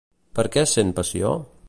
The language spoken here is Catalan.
Per què sent passió?